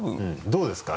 どうですか？